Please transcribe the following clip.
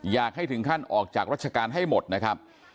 อยากให้ถึงขั้นออกจากราชการให้หมดนะครับ